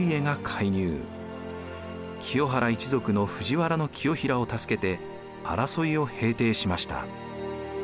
清原一族の藤原清衡を助けて争いを平定しました。